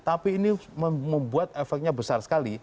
tapi ini membuat efeknya besar sekali